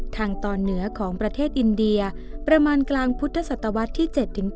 ทางตอนเหนือของประเทศอินเดียประมาณกลางพุทธศตวรรษที่๗๘